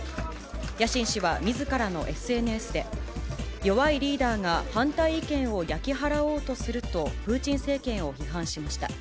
ヤシン氏はみずからのＳＮＳで、弱いリーダーが反対意見を焼き払おうとすると、プーチン政権を批判しました。